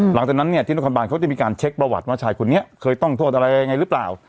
หลังจากนั้นเนี่ยที่นครบานเขาจะมีการเช็คประวัติว่าชายคนนี้เคยต้องโทษอะไรยังไงหรือเปล่า